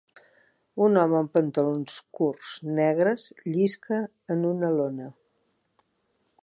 Un home amb pantalons curts negres llisca en una lona.